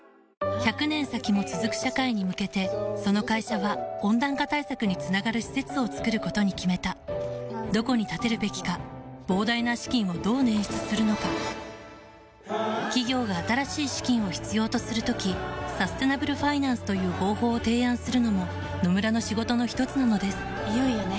１００年先も続く社会に向けてその会社は温暖化対策につながる施設を作ることに決めたどこに建てるべきか膨大な資金をどう捻出するのか企業が新しい資金を必要とする時サステナブルファイナンスという方法を提案するのも野村の仕事のひとつなのですいよいよね。